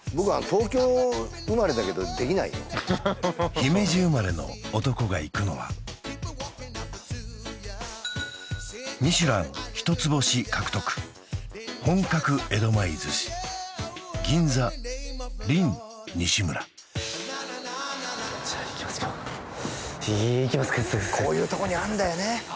姫路生まれの男が行くのはミシュラン一つ星獲得本格江戸前寿司じゃあ行きますか行きますかこういうとこにあんだよね